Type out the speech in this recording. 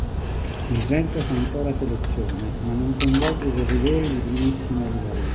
Il vento fa ancora selezione ma non coinvolge corridori di primissimo livello.